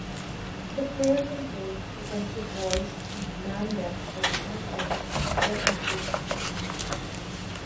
The player can build defensive walls and man them with archers for improved defense.